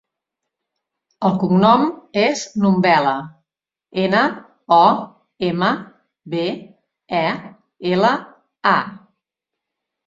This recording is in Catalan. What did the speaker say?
El cognom és Nombela: ena, o, ema, be, e, ela, a.